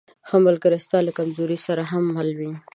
ښه ملګری ستا له کمزورۍ سره هم مل وي.